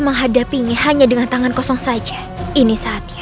menghadapinya hanya dengan tangan kosong saja ini saatnya